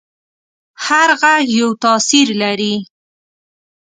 هر غږ یو تاثیر لري.